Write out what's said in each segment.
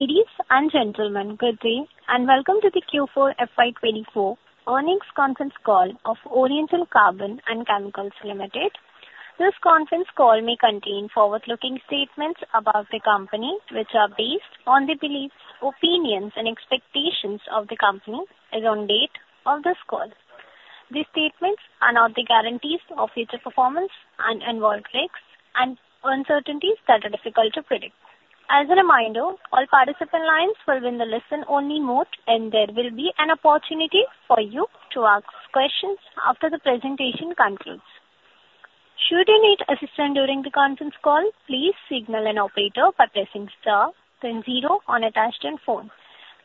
Ladies and gentlemen, good day, and welcome to the Q4 FY24 Earnings Conference Call of Oriental Carbon and Chemicals Limited. This conference call may contain forward-looking statements about the company, which are based on the beliefs, opinions, and expectations of the company around the date of this call. These statements are not the guarantees of future performance and involve risks and uncertainties that are difficult to predict. As a reminder, all participant lines will be in the listen-only mode, and there will be an opportunity for you to ask questions after the presentation concludes. Should you need assistance during the conference call, please signal an operator by pressing star then zero on a touchscreen phone.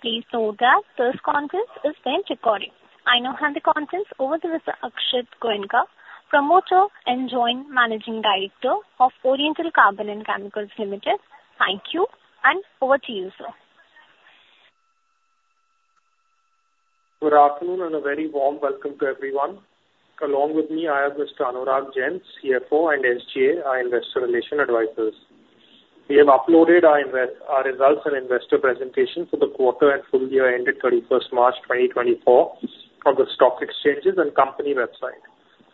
Please note that this conference is being recorded. I now hand the conference over to Mr. Akshat Goenka, Promoter and Joint Managing Director of Oriental Carbon and Chemicals Limited. Thank you, and over to you, sir. Good afternoon and a very warm welcome to everyone. Along with me, I have Mr. Anurag Jain, CFO, and SGAIR Advisors. We have uploaded our results and investor presentation for the quarter and full year ended 31st March 2024 on the stock exchanges and company website.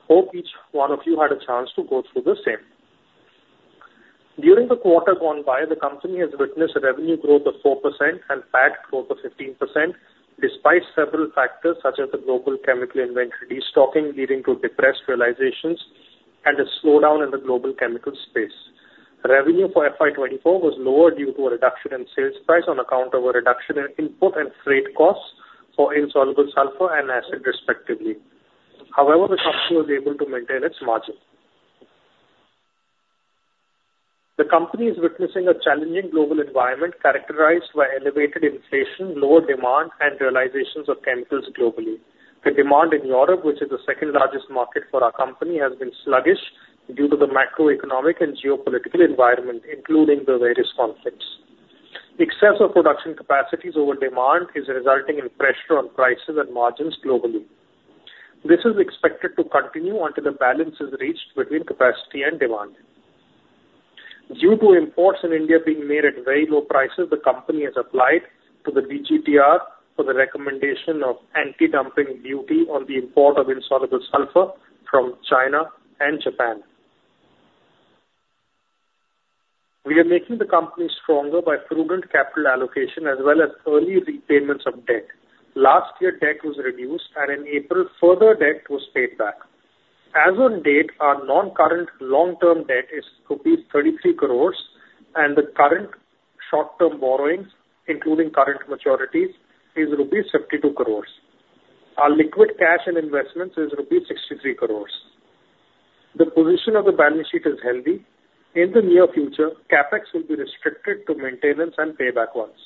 Hope each one of you had a chance to go through the same. During the quarter gone by, the company has witnessed revenue growth of four percent and PAT growth of 15% despite several factors such as the global chemical inventory restocking leading to depressed realizations and a slowdown in the global chemical space. Revenue for FY 2024 was lower due to a reduction in sales price on account of a reduction in input and freight costs for insoluble sulfur and acid, respectively. However, the company was able to maintain its margin. The company is witnessing a challenging global environment characterized by elevated inflation, lower demand, and realizations of chemicals globally. The demand in Europe, which is the second-largest market for our company, has been sluggish due to the macroeconomic and geopolitical environment, including the various conflicts. Excessive production capacities over demand are resulting in pressure on prices and margins globally. This is expected to continue until the balance is reached between capacity and demand. Due to imports in India being made at very low prices, the company has applied to the DGTR for the recommendation of anti-dumping duty on the import of insoluble sulfur from China and Japan. We are making the company stronger by prudent capital allocation as well as early repayments of debt. Last year, debt was reduced, and in April, further debt was paid back. As of date, our non-current long-term debt is rupees 33 crores, and the current short-term borrowings, including current maturities, are rupees 52 crores. Our liquid cash and investments are rupees 63 crores. The position of the balance sheet is healthy. In the near future, CapEx will be restricted to maintenance and payback ones.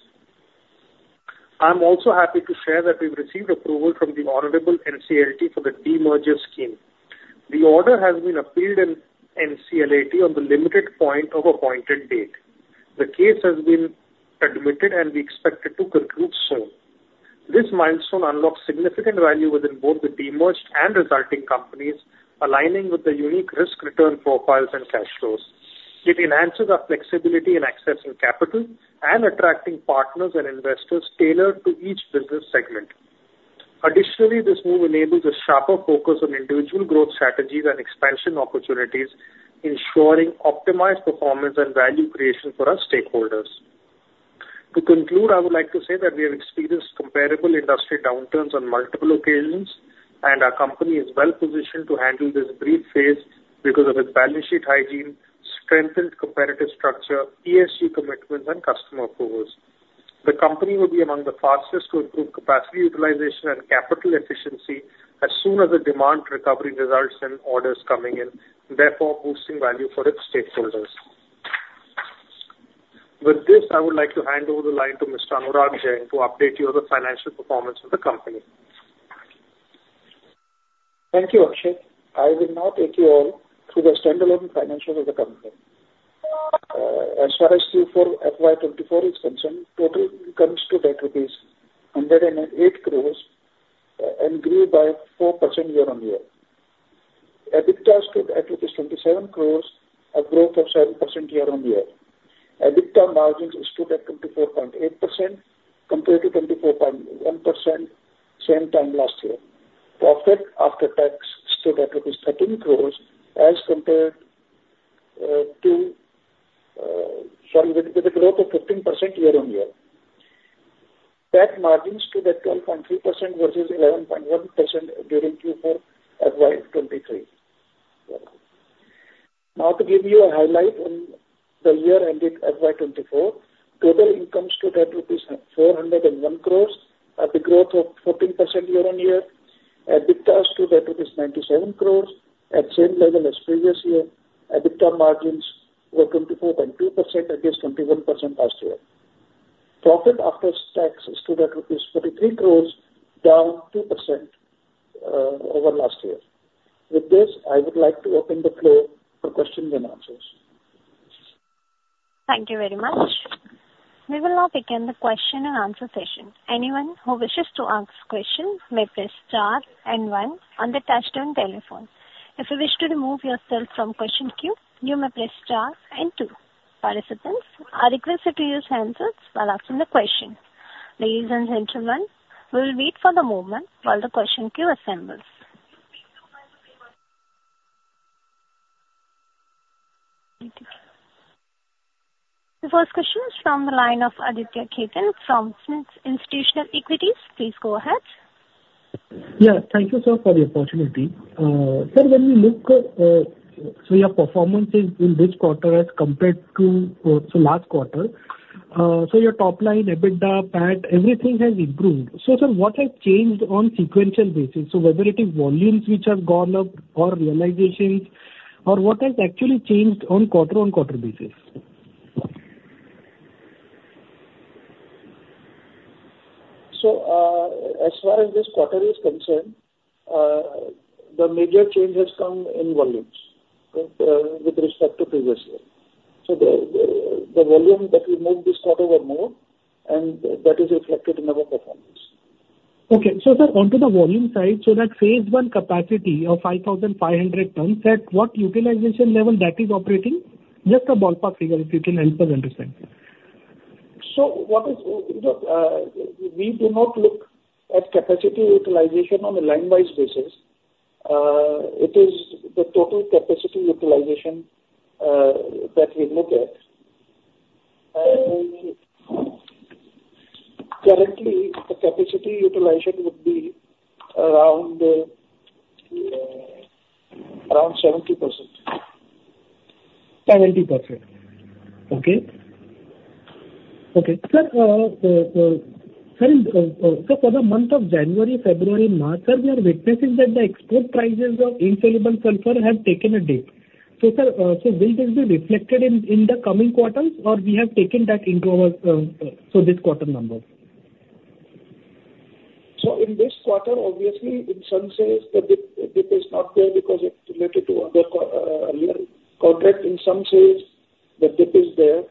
I'm also happy to share that we've received approval from the Honorable NCLT for the demerger scheme. The order has been appealed in NCLAT on the limited point of appointed date. The case has been admitted, and we expect it to conclude soon. This milestone unlocks significant value within both the demerged and resulting companies, aligning with the unique risk-return profiles and cash flows. It enhances our flexibility in accessing capital and attracting partners and investors tailored to each business segment. Additionally, this move enables a sharper focus on individual growth strategies and expansion opportunities, ensuring optimized performance and value creation for our stakeholders. To conclude, I would like to say that we have experienced comparable industry downturns on multiple occasions, and our company is well-positioned to handle this brief phase because of its balance sheet hygiene, strengthened comparative structure, ESG commitments, and customer approvals. The company will be among the fastest to improve capacity utilization and capital efficiency as soon as the demand recovery results and orders come in, therefore boosting value for its stakeholders. With this, I would like to hand over the line to Mr. Anurag Jain to update you on the financial performance of the company. Thank you, Akshat. I will now take you all through the standalone financials of the company. As far as Q4 FY2024 is concerned, total income is rupees 108 crores and grew by four percent year-on-year. EBITDA stood at rupees 27 crores, a growth of seven percent year-on-year. EBITDA margin stood at 24.8% compared to 24.1% same time last year. Profit after tax stood at rupees 13 crores, with a growth of 15% year-on-year. PAT margin stood at 12.3% versus 11.1% during Q4 FY2023. Now, to give you a highlight on the year-ending FY2024, total income stood at rupees 401 crores, a growth of 14% year-on-year. EBITDA stood at rupees 97 crores, at the same level as previous year. EBITDA margins were 24.2% against 21% last year. Profit after tax stood at rupees 43 crores, down two percent over last year. With this, I would like to open the floor for questions and answers. Thank you very much. We will now begin the question-and-answer session. Anyone who wishes to ask a question may press star and one on the touchscreen telephone. If you wish to remove yourself from question queue, you may press star and two. Participants, I request that you use handsets while asking the question. Ladies and gentlemen, we will wait for the moment while the question queue assembles. The first question is from the line of Aditya Khetan from Smith's Institutional Equities. Please go ahead. Yes, thank you, sir, for the opportunity. Sir, when we look at your performances in this quarter as compared to last quarter, your top line, EBITDA, PAT, everything has improved. Sir, what has changed on a sequential basis? Whether it is volumes which have gone up or realizations, or what has actually changed on quarter-on-quarter basis? As far as this quarter is concerned, the major change has come in volumes with respect to previous year. The volume that we moved this quarter was more, and that is reflected in our performance. Okay. Sir, onto the volume side, that Phase I capacity of 5,500 tons, at what utilization level is that operating? Just a ballpark figure, if you can help us understand. We do not look at capacity utilization on a line-wise basis. It is the total capacity utilization that we look at. Currently, the capacity utilization would be around 70%. 70%. Okay. Okay. Sir, for the month of January, February, March, we are witnessing that the export prices of Insoluble Sulfur have taken a dip. Sir, will this be reflected in the coming quarters, or have we taken that into our this quarter number? In this quarter, obviously, in some says, the dip is not there because it's related to other contract, in some says, the dip is there.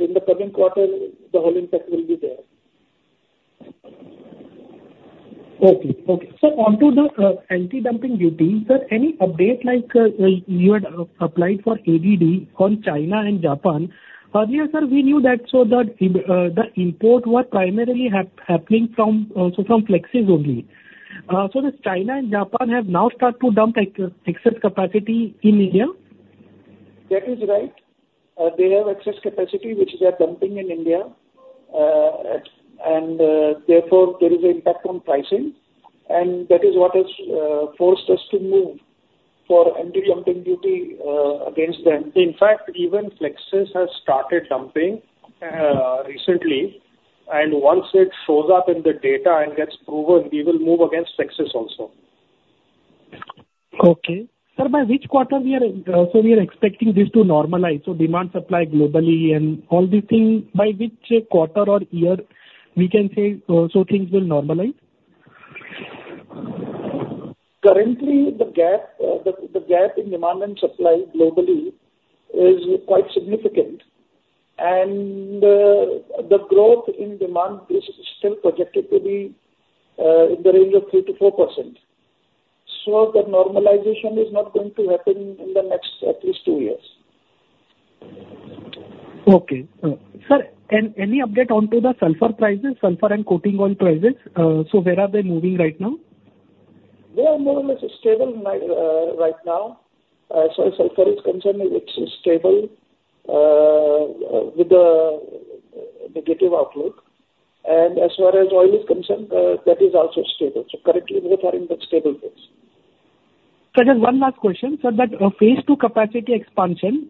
In the coming quarter, the whole impact will be there. Okay. Okay. Sir, onto the anti-dumping duty, sir, any update? You had applied for ADD on China and Japan. Earlier, sir, we knew that the import was primarily happening from Flexsys only. So, China and Japan have now started to dump excess capacity in India? That is right. They have excess capacity which they are dumping in India, and therefore, there is an impact on pricing, and that is what has forced us to move for anti-dumping duty against them. In fact, even Flexsys have started dumping recently, and once it shows up in the data and gets proven, we will move against Flexsys also. Okay. Sir, by which quarter are we expecting this to normalize? So, demand-supply globally and all these things, by which quarter or year can we say things will normalize? Currently, the gap in demand and supply globally is quite significant, and the growth in demand is still projected to be in the range of three to four percent. The normalization is not going to happen in the next at least two years. Okay. Sir, any update onto the sulfur prices, sulfur and coating oil prices? Where are they moving right now? They are more or less stable right now. As far as sulfur is concerned, it is stable with a negative outlook. As far as oil is concerned, that is also stable. Currently, both are in the stable range. Sir, just one last question. Sir, that phase two capacity expansion,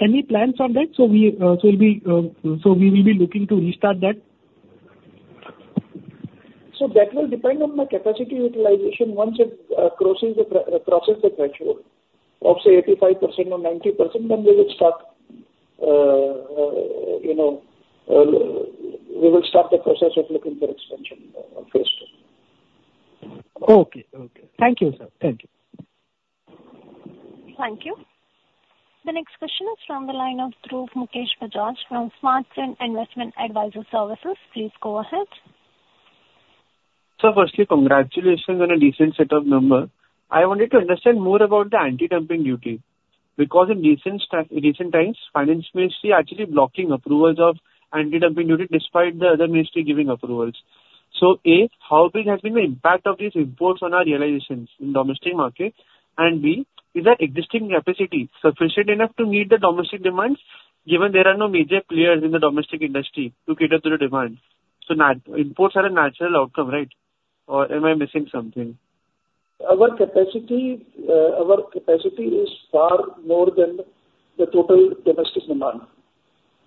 any plans on that? We will be looking to restart that? That will depend on the capacity utilization. Once it crosses the threshold of, say, 85% or 90%, then we will start the process of looking for expansion Phase II. Okay. Okay. Thank you, sir. Thank you. Thank you. The next question is from the line of Dhruv Mukesh Bajaj from Smart Sail Investment Advisors. Please go ahead. Sir, firstly, congratulations on a decent set of numbers. I wanted to understand more about the anti-dumping duty because in recent times, finance ministry actually blocking approvals of anti-dumping duty despite the other ministry giving approvals. A, how big has been the impact of these imports on our realizations in domestic market? B, is that existing capacity sufficient enough to meet the domestic demands given there are no major players in the domestic industry to cater to the demand? Imports are a natural outcome, right? Or am I missing something? Our capacity is far more than the total domestic demand.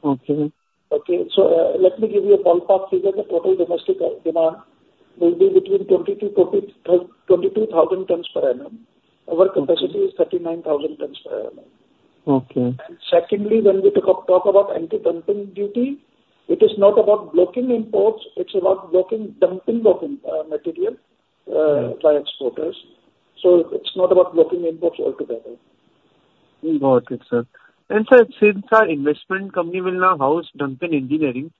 Okay. Okay. So, let me give you a ballpark figure. The total domestic demand will be between 22,000 tons per annum. Our capacity is 39,000 tons per annum. Okay. Secondly, when we talk about anti-dumping duty, it is not about blocking imports. It is about blocking dumping of material by exporters. It is not about blocking imports altogether. Got it, sir. Sir, since our investment company will now house Duncan Engineering,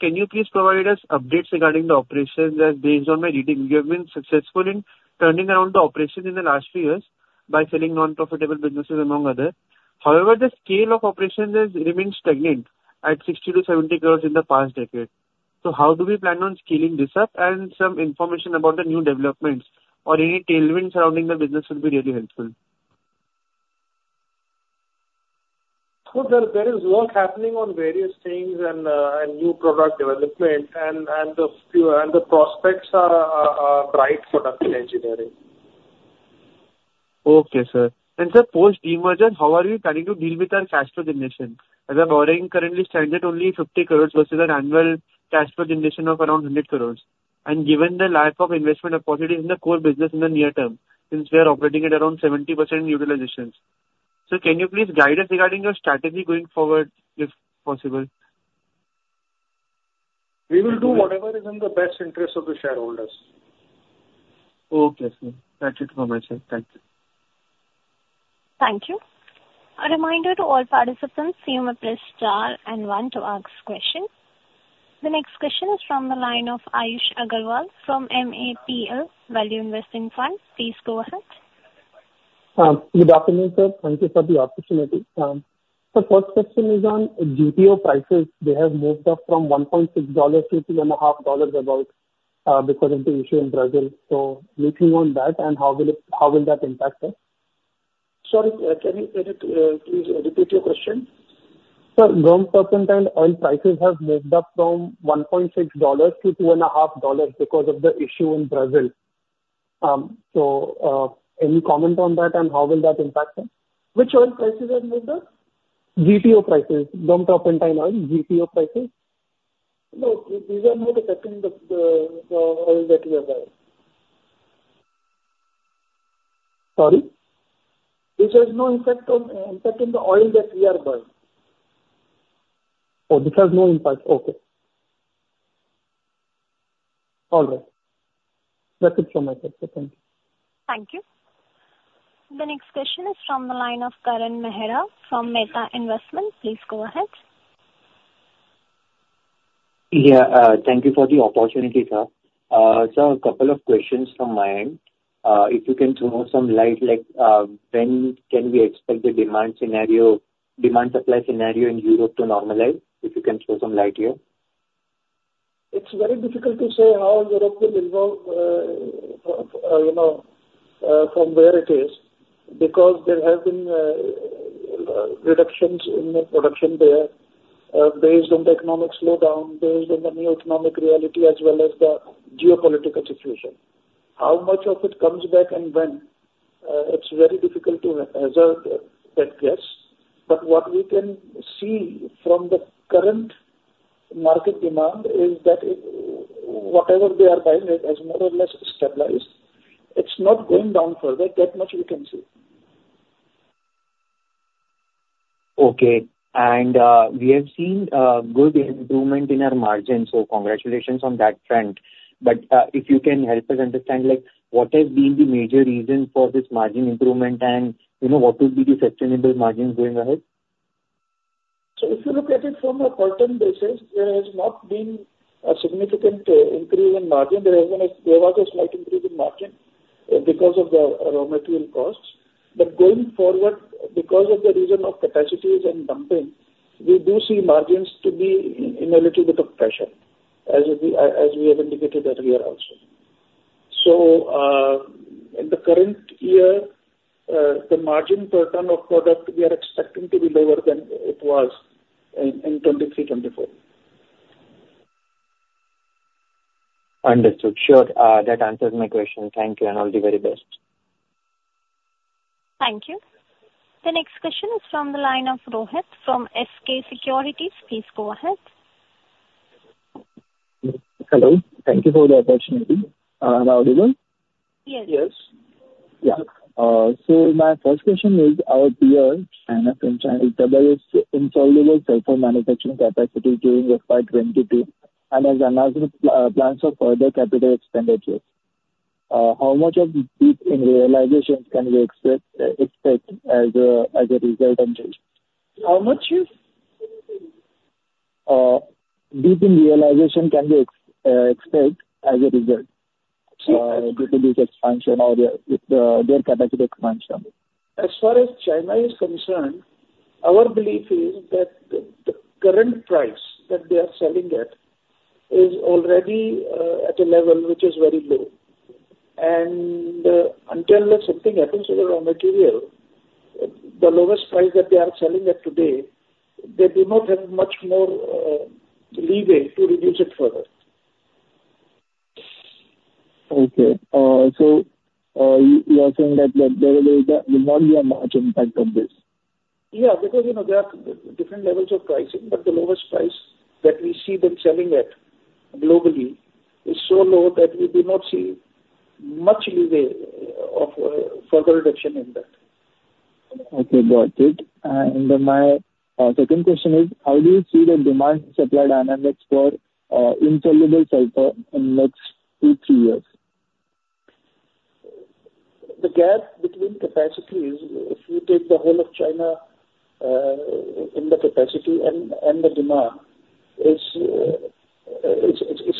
can you please provide us updates regarding the operations? As based on my reading, we have been successful in turning around the operation in the last few years by selling non-profitable businesses among others. However, the scale of operations has remained stagnant at 60 crores-70 crores in the past decade. How do we plan on scaling this up? Some information about the new developments or any tailwinds surrounding the business would be really helpful. Sir, there is work happening on various things and new product development, and the prospects are bright for Duncan Engineering. Okay, sir. Sir, post-demerger, how are you planning to deal with our cash flow generation? As I am worrying, currently, stand at only 50 crores versus an annual cash flow generation of around 100 crores. Given the life of investment, of course, it is in the core business in the near term since we are operating at around 70% utilization. Can you please guide us regarding your strategy going forward if possible? We will do whatever is in the best interest of the shareholders. Okay, sir. That's it from my side. Thank you. Thank you. A reminder to all participants, give me a press star and one to ask question. The next question is from the line of Ayush Agarwal from MAPL Value Investing Fund. Please go ahead. Good afternoon, sir. Thank you for the opportunity. Sir, first question is on GTO prices. They have moved up from $1.6-$2.5 because of the issue in Brazil. Looking on that, how will that impact us? Sorry, can you please repeat your question? Sir, growth percentile oil prices have moved up from $1.6-$2.5 because of the issue in Brazil. Any comment on that, and how will that impact us? Which oil prices have moved up? GTO prices. Growth percentile oil, GTO prices? No, these are not affecting the oil that we are buying. Sorry? This has no impact on the oil that we are buying. Oh, this has no impact. Okay. All right. That's it from my side. Thank you. Thank you. The next question is from the line of Karan Mehra from Meta Investments. Please go ahead. Yeah. Thank you for the opportunity, sir. Sir, a couple of questions from my end. If you can throw some light, when can we expect the demand supply scenario in Europe to normalize? If you can throw some light here. It's very difficult to say how Europe will evolve from where it is because there have been reductions in production there based on the economic slowdown, based on the new economic reality, as well as the geopolitical situation. How much of it comes back and when? It's very difficult to hazard that guess. What we can see from the current market demand is that whatever they are buying has more or less stabilized. It's not going down further. That much we can see. Okay. We have seen good improvement in our margins, so congratulations on that trend. If you can help us understand what has been the major reason for this margin improvement and what would be the sustainable margins going ahead? If you look at it from a quarter basis, there has not been a significant increase in margin. There was a slight increase in margin because of the raw material costs. Going forward, because of the reason of capacities and dumping, we do see margins to be in a little bit of pressure, as we have indicated earlier also. In the current year, the margin per ton of product we are expecting to be lower than it was in 2023, 2024. Understood. Sure. That answers my question. Thank you, and all the very best. Thank you. The next question is from the line of Rohit from SK Securities. Please go ahead. Hello. Thank you for the opportunity. Am I audible? Yes. Yeah. So, my first question is, our peer, China, from China's insoluble sulfur manufacturing capacity during FY 2022 and has announced plans for further capital expenditures. How much of deep in realizations can we expect as a result? How much? Deep in realization, can we expect as a result due to this expansion or their capacity expansion? As far as China is concerned, our belief is that the current price that they are selling at is already at a level which is very low. Until something happens to the raw material, the lowest price that they are selling at today, they do not have much more leverage to reduce it further. Okay. So, you are saying that there will not be a margin impact on this? Yeah, because there are different levels of pricing, but the lowest price that we see them selling at globally is so low that we do not see much leverage of further reduction in that. Okay. Got it. My second question is, how do you see the demand-supply dynamics for insoluble sulfur in the next two, three years? The gap between capacities, if you take the whole of China in the capacity and the demand, is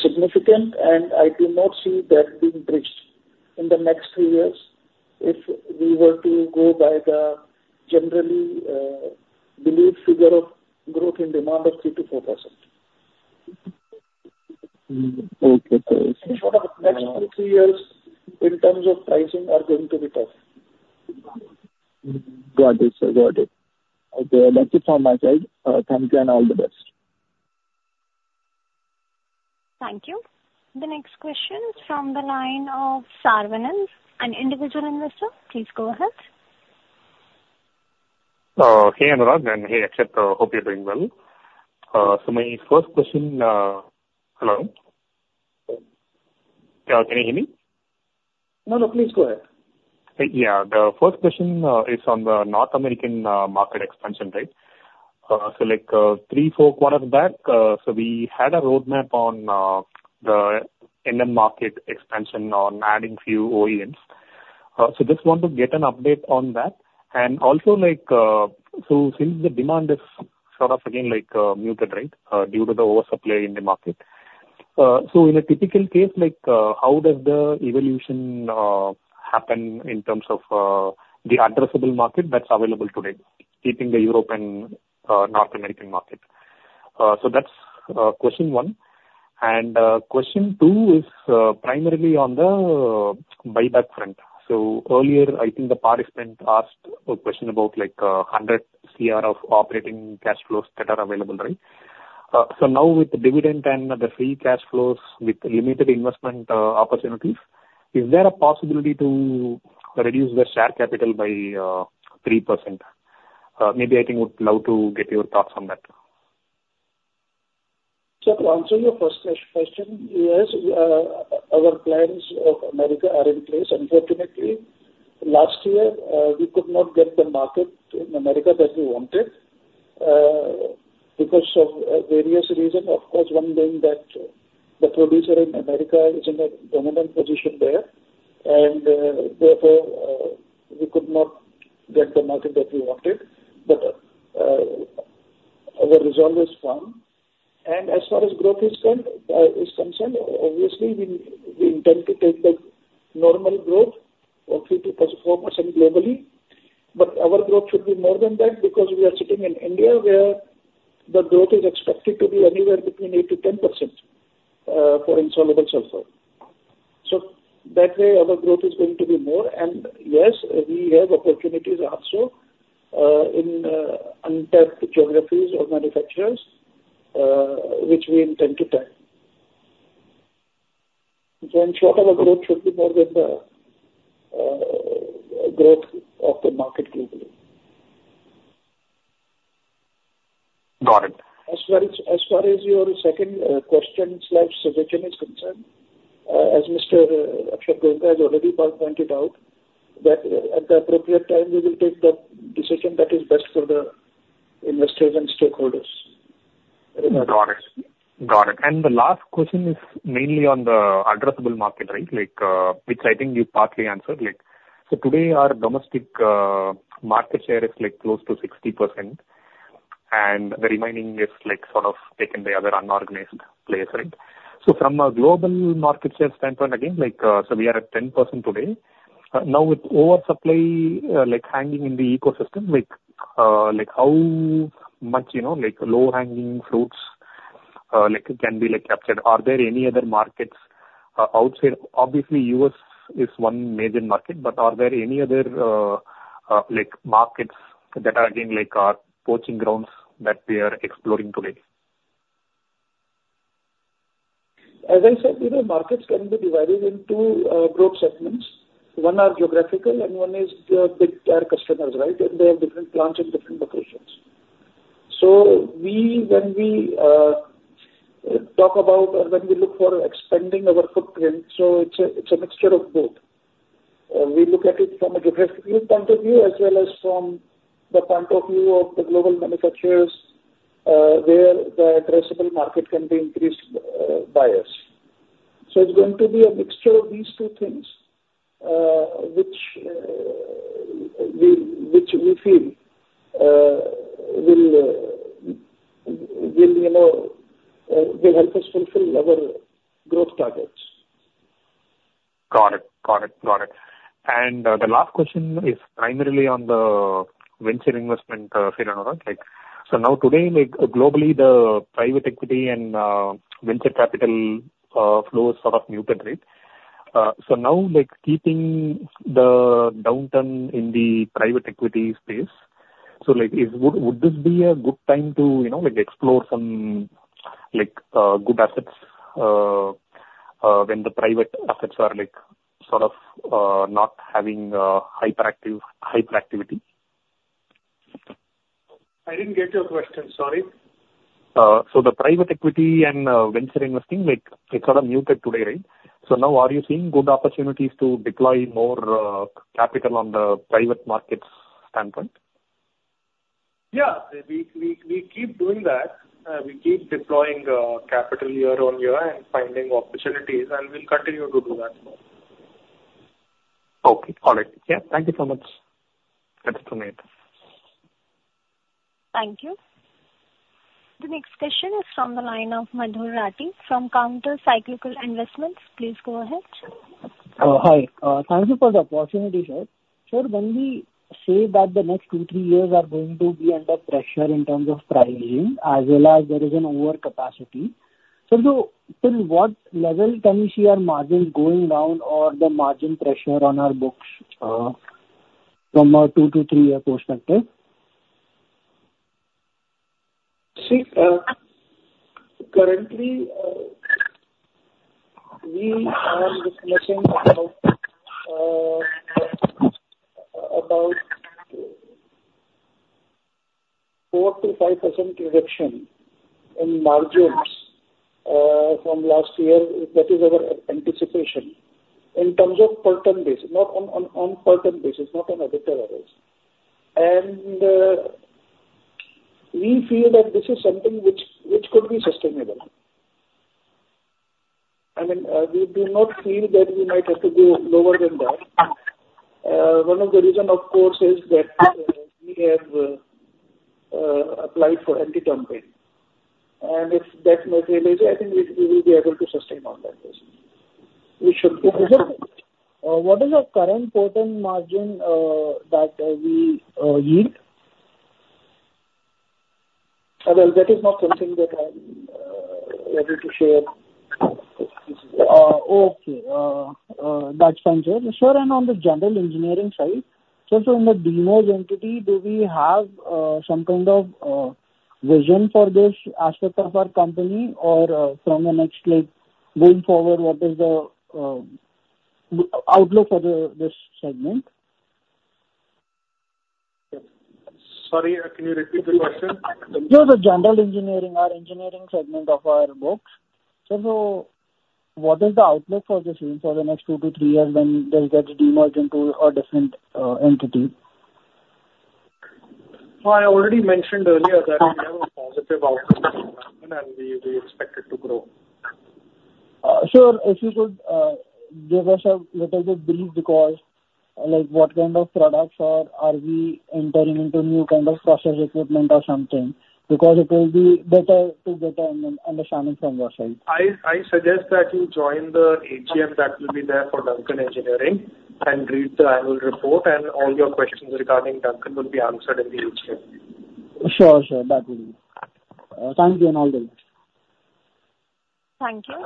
significant, and I do not see that being bridged in the next three years if we were to go by the generally believed figure of growth in demand of three to four percent. Okay. So. In short, the next two, three years in terms of pricing are going to be tough. Got it, sir. Got it. Okay. That's it from my side. Thank you, and all the best. Thank you. The next question is from the line of Sarvannan, an individual investor. Please go ahead. Hey, Anurag, and hey, Akshat. Hope you're doing well. My first question, hello? Can you hear me? No, no. Please go ahead. Yeah. The first question is on the North American market expansion, right? Three, four quarters back, we had a roadmap on the inland market expansion on adding few OEMs. Just want to get an update on that. Also, since the demand is sort of, again, muted, right, due to the oversupply in the market, in a typical case, how does the evolution happen in terms of the addressable market that's available today, keeping the Europe and North American market? That's question one. Question two is primarily on the buyback front. Earlier, I think the participant asked a question about 100 crores operating cash flows that are available, right? Now with the dividend and the free cash flows with limited investment opportunities, is there a possibility to reduce the share capital by three percent? Maybe I think we'd love to get your thoughts on that. Sir, to answer your first question, yes, our plans of America are in place. Unfortunately, last year, we could not get the market in America that we wanted because of various reasons. Of course, one being that the producer in America is in a dominant position there, and therefore, we could not get the market that we wanted. Our result is fine. As far as growth is concerned, obviously, we intend to take the normal growth of two to four percent globally. Our growth should be more than that because we are sitting in India where the growth is expected to be anywhere between 8%-10% for insoluble sulfur. That way, our growth is going to be more. Yes, we have opportunities also in untapped geographies of manufacturers, which we intend to tap. In short, our growth should be more than the growth of the market globally. Got it. As far as your second question/suggestion is concerned, as Mr. Akshat Goenka has already pointed out, at the appropriate time, we will take the decision that is best for the investors and stakeholders. Got it. Got it. The last question is mainly on the addressable market, right, which I think you partly answered. Today, our domestic market share is close to 60%, and the remaining is sort of taken by other unorganized players, right? From a global market share standpoint, again, we are at 10% today. Now, with oversupply hanging in the ecosystem, how much low-hanging fruits can be captured? Are there any other markets outside? Obviously, U.S. is one major market, but are there any other markets that are, again, poaching grounds that we are exploring today? As I said, markets can be divided into broad segments. One are geographical, and one is the big-tier customers, right? They have different plants in different locations. When we talk about or when we look for expanding our footprint, it is a mixture of both. We look at it from a geographical point of view as well as from the point of view of the global manufacturers where the addressable market can be increased by us. It is going to be a mixture of these two things, which we feel will help us fulfill our growth targets. Got it. Got it. And the last question is primarily on the venture investment field, Anurag. Now, today, globally, the private equity and venture capital flow is sort of muted, right? Now, keeping the downturn in the private equity space, would this be a good time to explore some good assets when the private assets are sort of not having hyperactivity? I didn't get your question. Sorry. The private equity and venture investing, it's sort of muted today, right? Now, are you seeing good opportunities to deploy more capital on the private markets standpoint? Yeah. We keep doing that. We keep deploying capital year on year and finding opportunities, and we'll continue to do that. Okay. All right. Yeah. Thank you so much. That's it from my end. Thank you. The next question is from the line of Madhur Rathi from Counter Cyclical Investments. Please go ahead. Hi. Thank you for the opportunity, sir. Sir, when we say that the next two, three years are going to be under pressure in terms of pricing, as well as there is an overcapacity, sir, to what level can we see our margins going down or the margin pressure on our books from a two to three-year perspective? See, currently, we are discussing about four to five percent reduction in margins from last year. That is our anticipation in terms of per ton basis, not on per ton basis, not on additive hours. I mean, we feel that this is something which could be sustainable. I mean, we do not feel that we might have to go lower than that. One of the reasons, of course, is that we have applied for anti-dumping. If that materializes, I think we will be able to sustain on that basis. We should. What is the current per ton margin that we yield? That is not something that I'm able to share. Okay. That's fine, sir. Sir, and on the general engineering side, sir, so in the demerged entity, do we have some kind of vision for this aspect of our company or from the next going forward, what is the outlook for this segment? Sorry, can you repeat the question? Sure. The general engineering, our engineering segment of our books, sir, so what is the outlook for the same for the next two to three years when they get de-merged into a different entity? I already mentioned earlier that we have a positive outlook on the investment, and we expect it to grow. Sure. If you could give us a little bit breathe because what kind of products are we entering into, new kind of process equipment or something? Because it will be better to get an understanding from your side. I suggest that you join the HEM that will be there for Duncan Engineering and read the annual report, and all your questions regarding Duncan will be answered in the HEM. Sure, sir. That will be. Thank you, and all the best. Thank you.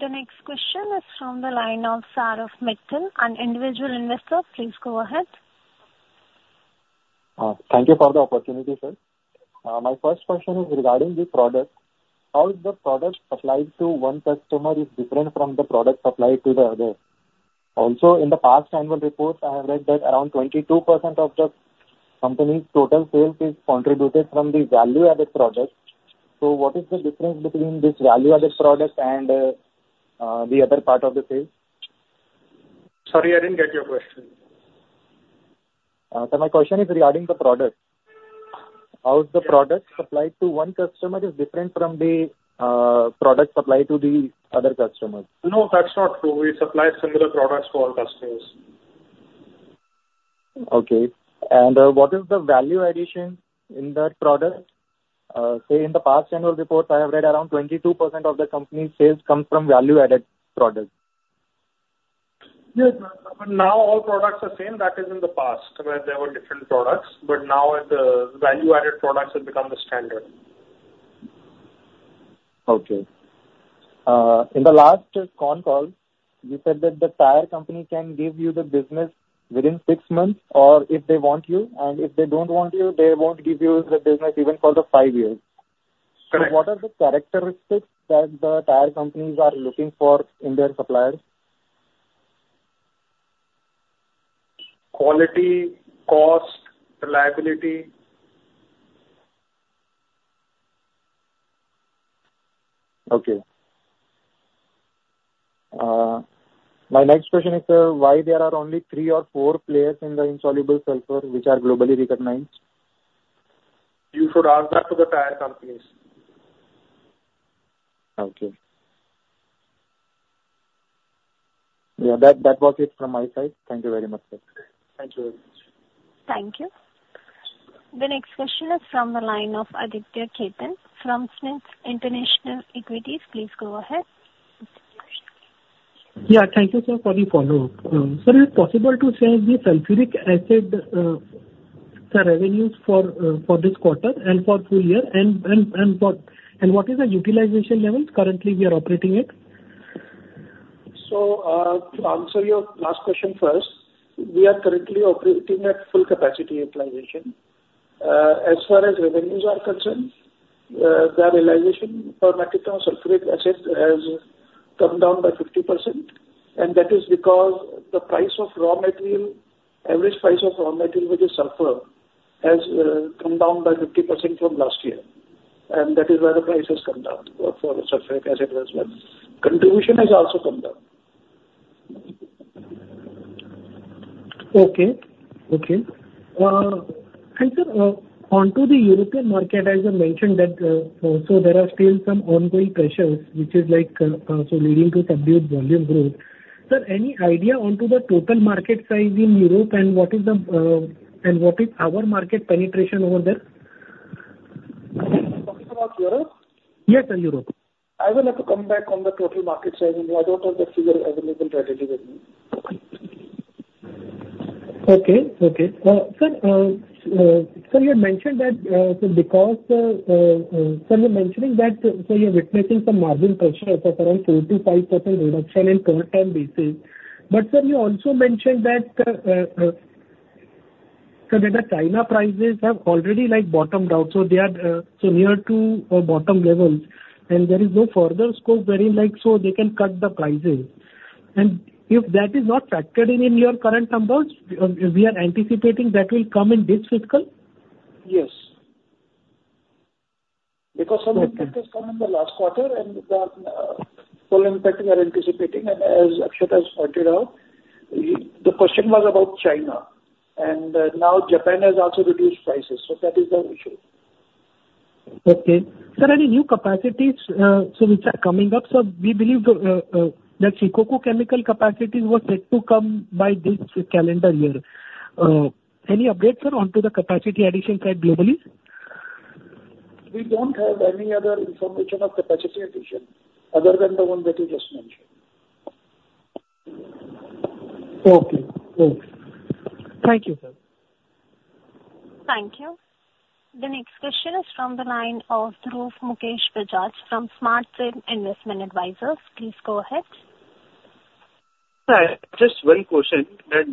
The next question is from the line of Saurabh Mittal, an individual investor. Please go ahead. Thank you for the opportunity, sir. My first question is regarding the product. How is the product supplied to one customer different from the product supplied to the other? Also, in the past annual reports, I have read that around 22% of the company's total sales is contributed from the value-added product. So, what is the difference between this value-added product and the other part of the sales? Sorry, I didn't get your question. Sir, my question is regarding the product. How is the product supplied to one customer different from the product supplied to the other customers? No, that's not true. We supply similar products to all customers. Okay. What is the value addition in that product? In the past annual reports, I have read around 22% of the company's sales come from value-added product. Yes. Now, all products are same. That is, in the past when there were different products. But now, value-added products have become the standard. Okay. In the last con call, you said that the tire company can give you the business within six months if they want you, and if they do not want you, they will not give you the business even for five years. Correct. What are the characteristics that the tire companies are looking for in their suppliers? Quality, cost, reliability. Okay. My next question is, sir, why there are only three or four players in the insoluble sulfur which are globally recognized? You should ask that to the tire companies. Okay. Yeah. That was it from my side. Thank you very much, sir. Thank you very much. Thank you. The next question is from the line of Aditya Khetan from Smith's Institutional Equities, please go ahead. Yeah. Thank you, sir, for the follow-up. Sir, is it possible to share the Sulfuric Acid revenues for this quarter and for full year? What is the utilization level currently we are operating at? To answer your last question first, we are currently operating at full capacity utilization. As far as revenues are concerned, the realization for Sulfuric Acid has come down by 50%. That is because the price of raw material, average price of raw material, which is sulfur, has come down by 50% from last year. That is why the price has come down for Sulfuric Acid as well. Contribution has also come down. Okay. Okay. Sir, onto the European market, as you mentioned, there are still some ongoing pressures, which is leading to subdued volume growth. Sir, any idea onto the total market size in Europe and what is our market penetration over there? You're talking about Europe? Yes, sir, Europe. I will have to come back on the total market size. I do not have the figure available readily with me. Okay. Okay. Sir, you had mentioned that because, sir, you're mentioning that you're witnessing some margin pressure of around four to five percent reduction in per ton basis. Sir, you also mentioned that, sir, that the China prices have already bottomed out. They are near to bottom levels, and there is no further scope wherein they can cut the prices. If that is not factored in in your current numbers, we are anticipating that will come in this fiscal? Yes. Because some of the factors come in the last quarter, and all impacting are anticipating. As Akshat has pointed out, the question was about China. Now, Japan has also reduced prices. That is the issue. Okay. Sir, any new capacities which are coming up? Sir, we believe that Shikoku Chemicals capacities were set to come by this calendar year. Any updates, sir, onto the capacity addition side globally? We don't have any other information of capacity addition other than the one that you just mentioned. Okay. Okay. Thank you, sir. Thank you. The next question is from the line of Dhruv Mukesh Bajaj from Smart Sail Investment Advisors. Please go ahead. Sir, just one question.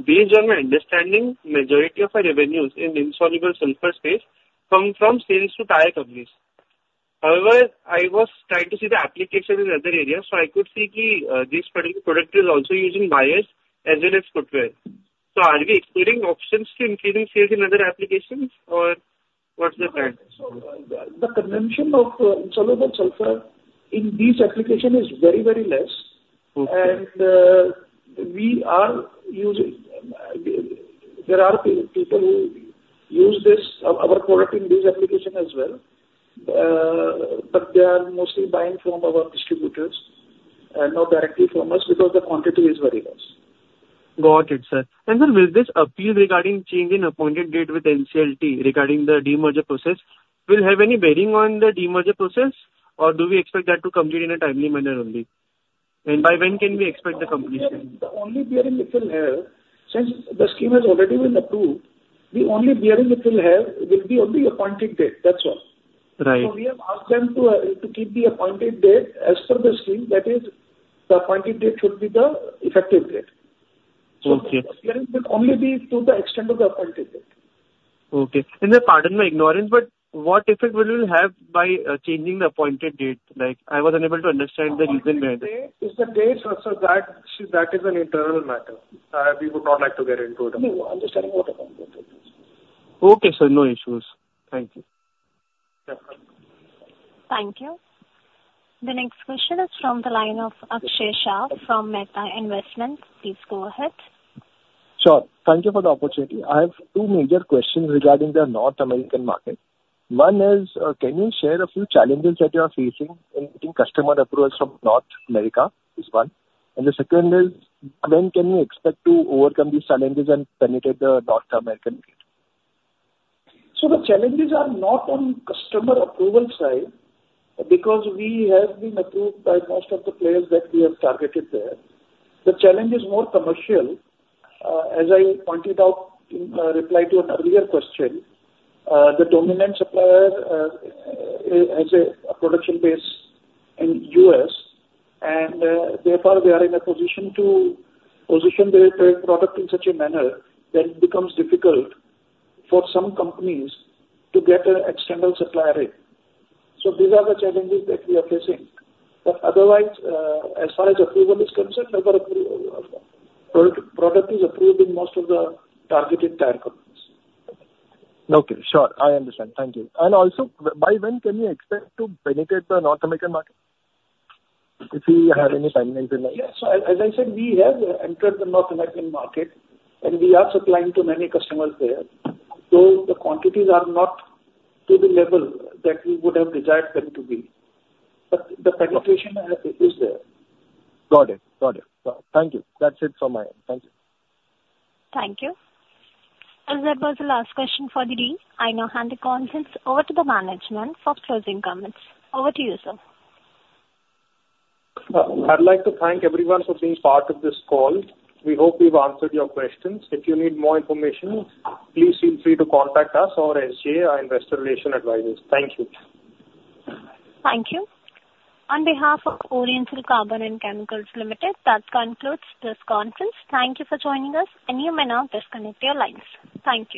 Being on my understanding, the majority of our revenues in insoluble sulfur space come from sales to tire companies. However, I was trying to see the application in other areas. So, I could see this product is also used in buyers as well as footwear. So, are we exploring options to increasing sales in other applications, or what's the plan? The consumption of insoluble sulfur in this application is very, very less. There are people who use our product in this application as well, but they are mostly buying from our distributors and not directly from us because the quantity is very less. Got it, sir. Sir, will this appeal regarding change in appointed date with NCLT regarding the demerger process have any bearing on the demerger process, or do we expect that to complete in a timely manner only? By when can we expect the completion? The only bearing it will have since the scheme has already been approved, the only bearing it will have will be on the appointed date. That's all. Right. We have asked them to keep the appointed date as per the scheme. That is, the appointed date should be the effective date. Okay. The bearing will only be to the extent of the appointed date. Okay. And then, pardon my ignorance, but what effect will it have by changing the appointed date? I was unable to understand the reason behind it. The reason is the date, sir. That is an internal matter. We would not like to get into it. No, understanding what I'm going to do. Okay, sir. No issues. Thank you. Thank you. The next question is from the line of Akshat Shah from Meta Investments. Please go ahead. Sure. Thank you for the opportunity. I have two major questions regarding the North American market. One is, can you share a few challenges that you are facing in getting customer approvals from North America? This one. The second is, when can you expect to overcome these challenges and penetrate the North American market? The challenges are not on the customer approval side because we have been approved by most of the players that we have targeted there. The challenge is more commercial. As I pointed out in reply to an earlier question, the dominant supplier has a production base in the U.S., and therefore, we are in a position to position the product in such a manner that it becomes difficult for some companies to get an external supplier in. These are the challenges that we are facing. Otherwise, as far as approval is concerned, our product is approved in most of the targeted tire companies. Okay. Sure. I understand. Thank you. Also, by when can you expect to penetrate the North American market? If you have any timelines in mind. Yes. As I said, we have entered the North American market, and we are supplying to many customers there. The quantities are not to the level that we would have desired them to be. The penetration is there. Got it. Got it. Thank you. That's it from my end. Thank you. Thank you. That was the last question for the day. I now hand the conference over to the management for closing comments. Over to you, sir. I'd like to thank everyone for being part of this call. We hope we've answered your questions. If you need more information, please feel free to contact us or SGAIR Advisors. Thank you. Thank you. On behalf of Oriental Carbon and Chemicals Limited, that concludes this conference. Thank you for joining us, and you may now disconnect your lines. Thank you.